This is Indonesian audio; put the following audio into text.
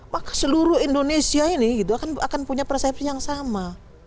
maka seluruh indonesia ini gitu akan punya persepsi yang sama